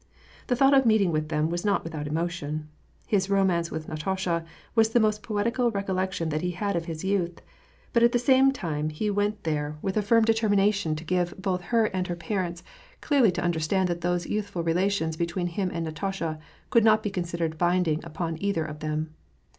The thought of meeting with them was not without emotion. His romance with Natasha was the most poetical recollection that he had of his youth. But at the same time he went there 192 WAR AND PEACE, with a firm determination to give both her and . her parents clearly to understand that those youthful relations between him and Natasha could not be considered binding upon either of them.